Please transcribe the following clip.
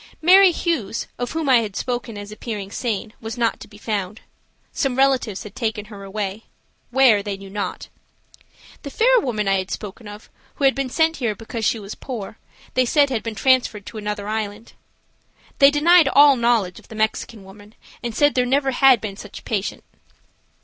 Mary Hughes, of whom I had spoken as appearing sane, was not to be found. Some relatives had taken her away. Where, they knew not. The fair woman I spoke of, who had been sent here because she was poor, they said had been transferred to another island. They denied all knowledge of the Mexican woman, and said there never had been such a patient.